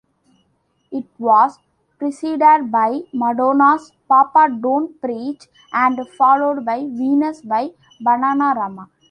It was preceded by Madonna's "Papa Don't Preach" and followed by "Venus" by Bananarama.